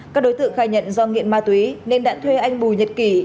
các đối tượng khai nhận do nghiện ma túy nên đã thuê anh bùi nhật kỳ